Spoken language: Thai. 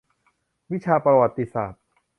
วิชาประวัติศาสตร์